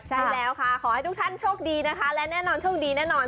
ใช่แล้วค่ะขอให้ทุกท่านโชคดีนะคะและแน่นอนโชคดีแน่นอน